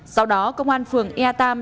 sau đó công an phường ea tam